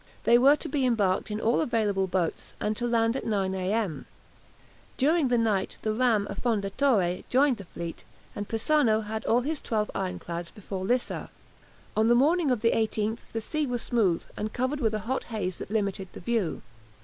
They were to be embarked in all available boats, and to land at 9 a.m. During the night the ram "Affondatore" joined the fleet, and Persano had all his twelve ironclads before Lissa. On the morning of the 18th the sea was smooth, and covered with a hot haze that limited the view.